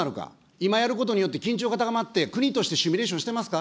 今やることによって緊張が高まって、国としてシミュレーションしてますか。